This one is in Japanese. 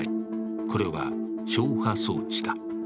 これは消波装置だ。